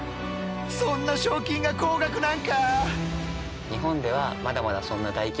そんな賞金が高額なんか！？